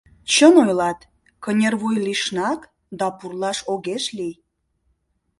Чын ойлат, кынервуй лишнак да пурлаш огеш лий.